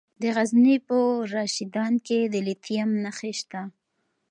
د غزني په رشیدان کې د لیتیم نښې شته.